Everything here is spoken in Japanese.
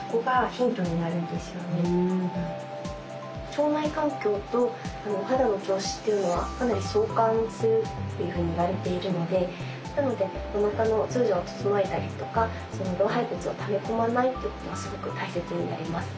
腸内環境と肌の調子っていうのはかなり相関するっていうふうにいわれているのでなのでおなかのお通じを整えたりとか老廃物をため込まないっていうことがすごく大切になります。